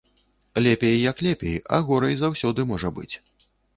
Лепей як лепей, а горай заўсёды можа быць.